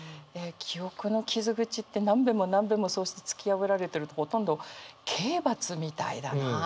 「記憶の傷口」って何べんも何べんもそうして突き破られてるとほとんど刑罰みたいだなあと思って。